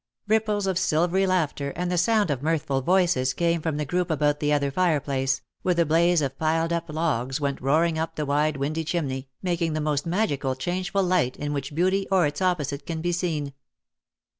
Ripples of silvery laughter, and the sound of mirthful voices came from the group about the other fireplace, where the blaze of piled up logs went roaring up the wide windy chimney, making the most magical changeful light in which beauty or its opposite can be seen.